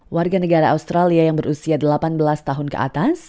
warga negara australia yang berusia delapan belas tahun ke atas